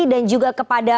dan juga kepada